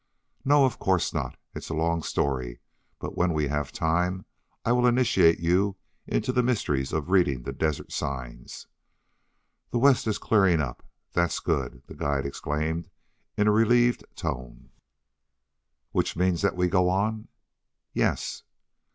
"No; of course not. It's a long story, but when we have time I will initiate you into the mysteries of reading the desert signs. The west is clearing up. That's good," the guide exclaimed in a relieved tone. "Which means that we go on?" "Yes."